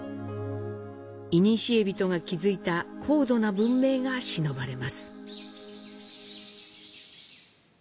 いにしえ人が築いた高度な文明がしのばれます。